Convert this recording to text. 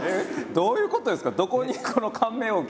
どういうことですか？